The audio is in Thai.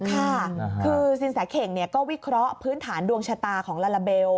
ค่ะคือสินแสเข่งก็วิเคราะห์พื้นฐานดวงชะตาของลาลาเบล